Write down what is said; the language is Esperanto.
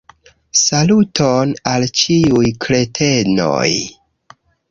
Saluton al ĉiuj kretenoj